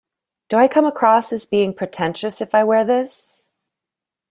Do I come across as being pretentious if I wear this?